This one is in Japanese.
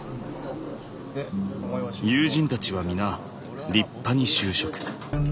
友人たちは皆立派に就職。